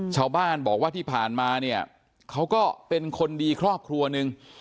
ชาวบ้านบอกว่าที่ผ่านมาเนี่ยเขาก็เป็นคนดีครอบครัวหนึ่ง